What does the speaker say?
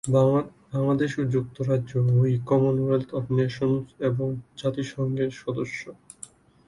বাংলাদেশ ও যুক্তরাজ্য উভয়ই কমনওয়েলথ অব নেশনস এবং জাতিসংঘের সদস্য।